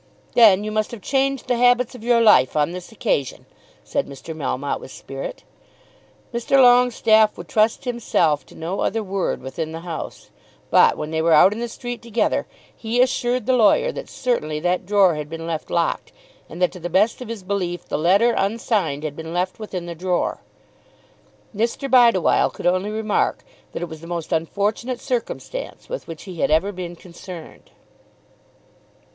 "Then you must have changed the habits of your life on this occasion," said Mr. Melmotte with spirit. Mr. Longestaffe would trust himself to no other word within the house, but, when they were out in the street together, he assured the lawyer that certainly that drawer had been left locked, and that to the best of his belief the letter unsigned had been left within the drawer. Mr. Bideawhile could only remark that it was the most unfortunate circumstance with which he had ever been concerned.